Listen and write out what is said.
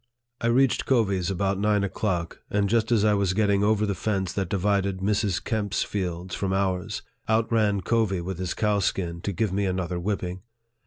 I reached Covey's about nine o'clock ; and just as I was getting over the fence that divided Mrs. Kemp's fields from ours, out ran Covey with his cowskin, to give me another whipping.